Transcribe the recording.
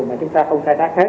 mà chúng ta không thay đáp hết